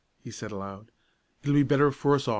he said, aloud. "It'll be better for us a'."